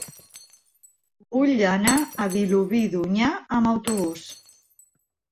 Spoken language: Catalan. Vull anar a Vilobí d'Onyar amb autobús.